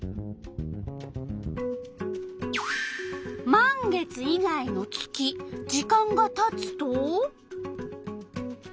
満月以外の月時間がたつと？